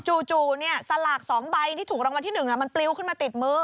จู่เนี่ยสลากสองใบที่ถูกรางวัลที่หนึ่งมันปลิ๊วขึ้นมาติดมือ